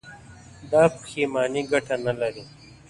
دا پښېماني گټه نه لري.